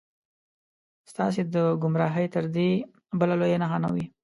ستاسې د ګمراهۍ تر دې بله لویه نښه نه وي.